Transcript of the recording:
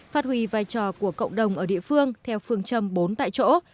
phát huy vai trò của cộng đồng ở địa phương theo phương châm bốn tại chỗ